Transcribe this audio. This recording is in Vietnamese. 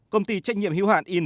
công ty trách nhiệm hưu hạn yên